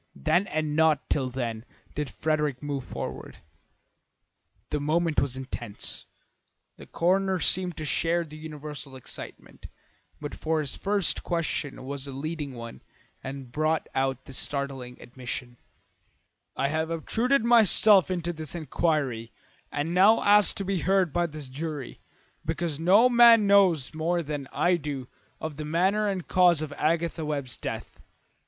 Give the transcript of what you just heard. Then and not till then did Frederick move forward. The moment was intense. The coroner seemed to share the universal excitement, for his first question was a leading one and brought out this startling admission: "I have obtruded myself into this inquiry and now ask to be heard by this jury, because no man knows more than I do of the manner and cause of Agatha Webb's death.